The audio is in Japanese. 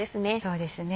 そうですね